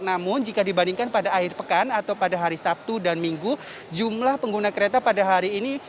namun jika dibandingkan pada akhir pekan atau pada hari sabtu dan minggu jumlah pengguna kereta pada hari ini